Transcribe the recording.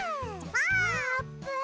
あーぷん。